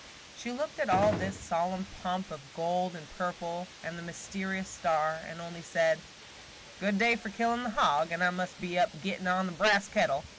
She looked at all this solemn pomp of gold and purple, and the mysterious star, and only said: "Good day for killin' the hog, and I must be up gettin' on the brass kettle.